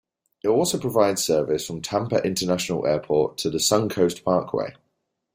It also provides service from Tampa International Airport to the Suncoast Parkway.